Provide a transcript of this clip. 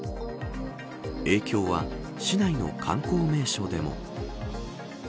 影響は市内の観光名所でも。